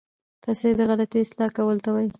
تصحیح د غلطیو اصلاح کولو ته وايي.